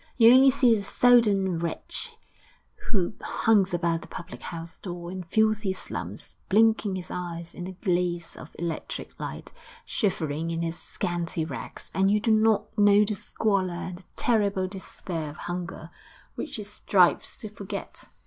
You only see the sodden wretch who hangs about the public house door in filthy slums, blinking his eyes in the glaze of electric light, shivering in his scanty rags and you do not know the squalor and the terrible despair of hunger which he strives to forget....